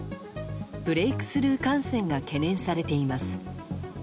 ブレークスルー感染が懸念されています。